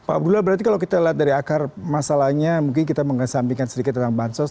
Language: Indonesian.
pak abdullah berarti kalau kita lihat dari akar masalahnya mungkin kita mengesampingkan sedikit tentang bansos